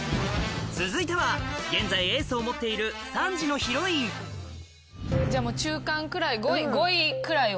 続いては現在エースを持っているじゃあもう中間くらい５位くらいを。